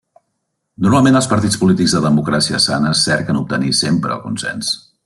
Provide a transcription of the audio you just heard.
Normalment els partits polítics de democràcies sanes cerquen obtenir sempre el consens.